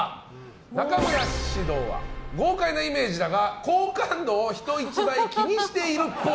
中村獅童は豪快なイメージだが好感度を人一倍気にしているっぽい。